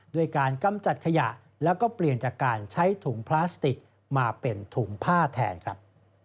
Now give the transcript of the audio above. ด้วยการกำจัดขยะแล้วก็เปลี่ยนจากการใช้ถุงพลาสติกมาเป็นถุงผ้าแทนครับ